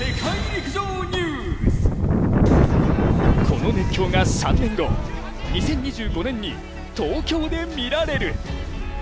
この熱狂が３年後、２０２５年に東京で見られる。